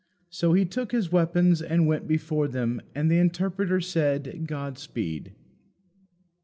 So he took his weapons and went before them, and the Interpreter said, God speed."